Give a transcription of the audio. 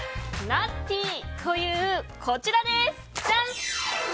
ナッティというこちらです。